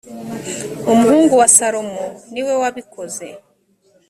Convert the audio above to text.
umuhungu wa salomo ni we wabikoze.